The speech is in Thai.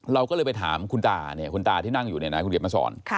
เราก็เลยไปถามคุณตาเนี่ยคุณตาที่นั่งอยู่เนี่ยนะคุณเขียนมาสอน